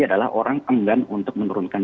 adalah orang enggan untuk menurunkan